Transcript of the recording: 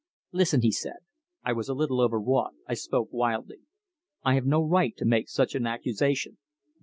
"Listen," he said; "I was a little overwrought. I spoke wildly. I have no right to make such an accusation.